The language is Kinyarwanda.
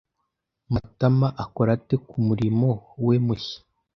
Matama akora ate kumurimo we mushya?